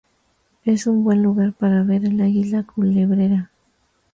Es un buen lugar para ver el águila culebrera.